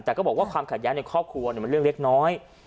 แต่ก็บอกว่าความขัดแย้งในครอบครัวมันเรื่องเล็กน้อย